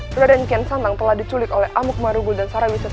peradaan kian santang telah diculik oleh amu kemarugul dan sarawisesa